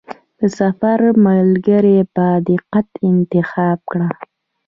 د سفر ملګری په دقت انتخاب کړه.